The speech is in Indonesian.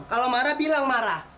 kalau marah bilang marah